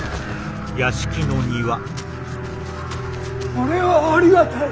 これはありがたい！